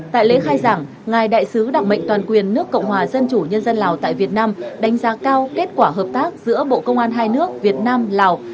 tại lễ khai giảng ngài đại sứ đặc mệnh toàn quyền nước cộng hòa dân chủ nhân dân lào tại việt nam đánh giá cao kết quả hợp tác giữa bộ công an hai nước việt nam lào